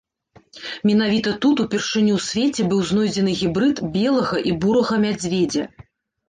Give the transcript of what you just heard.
Менавіта тут упершыню ў свеце быў знойдзены гібрыд белага і бурага мядзведзя.